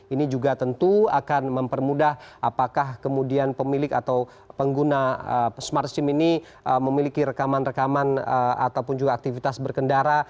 ini juga tentu akan mempermudah apakah kemudian pemilik atau pengguna smart sim ini memiliki rekaman rekaman ataupun juga aktivitas berkendara